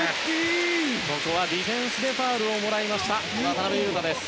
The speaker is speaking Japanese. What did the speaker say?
ここはディフェンスでファウルをもらった渡邊雄太。